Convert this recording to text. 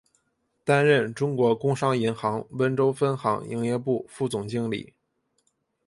担任中国工商银行温州分行营业部副总经理。